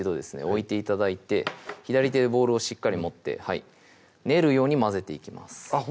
置いて頂いて左手でボウルをしっかり持って練るように混ぜていきますあっ